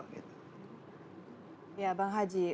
ya bang haji